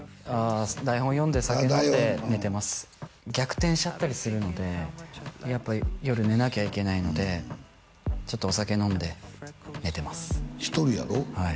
台本読んで酒飲んで寝てます逆転しちゃったりするのでやっぱり夜寝なきゃいけないのでちょっとお酒飲んで寝てます１人やろ？